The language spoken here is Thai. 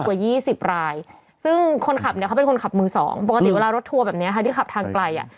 เป็นอีกกว่า๒๐รายซึ่งคนขับเนี่ยเขาเป็นคนขับมือ๒ปกติเวลารถทัวร์แบบเนี่ยที่ขับทางไกลอ่ะ